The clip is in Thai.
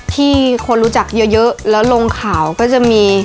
ที่คนรู้จักเยอะแล้วลงข่าวก็จะมี